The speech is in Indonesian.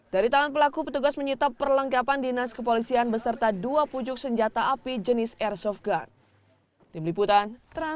dari tangan pelaku petugas menyitap perlengkapan dinas kepolisian beserta dua pucuk senjata api jenis airsoft gun